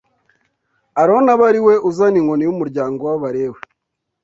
Aroni abe ari we uzana inkoni y’umuryango w’Abalewi